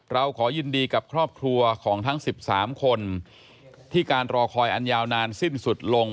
เราขอยินดีกับครอบครัวของทั้ง๑๓คนที่การรอคอยอันยาวนานสิ้นสุดลง